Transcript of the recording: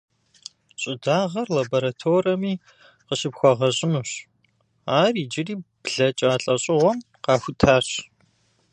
Щӏыдагъэр лабораторэми къыщыпхуэгъэщӏынущ, ар иджыри блэкӏа лӏэщӏыгъуэм къахутащ.